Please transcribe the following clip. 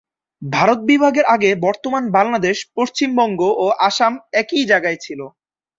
ভারত বিভাগের আগে বর্তমান বাংলাদেশ, পশ্চিমবঙ্গ, ও আসাম একই জায়গা ছিল।